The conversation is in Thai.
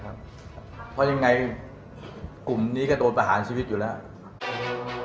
เพราะยังไงกลุ่มนี้ก็โดนประหารชีวิตอยู่แล้ว